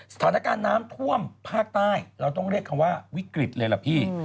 สถานการณ์น้ำท่วมภาคใต้เราต้องเรียกคำว่าวิกฤตเลยล่ะพี่